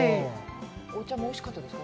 お茶もおいしかったですか？